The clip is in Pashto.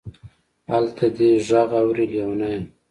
الته دې غږ اوري لېونۍ.